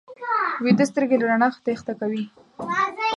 ویده سترګې له رڼا تېښته کوي